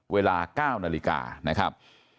เวลา๙นาฬิกานะครับ